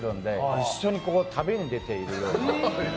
一緒に旅に出ているような。